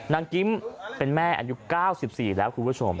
กิ๊มเป็นแม่อายุ๙๔แล้วคุณผู้ชม